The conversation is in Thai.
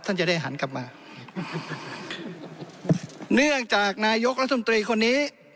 ท่านจะได้หันกลับมาเนื่องจากนายกรัฐมนตรีคนนี้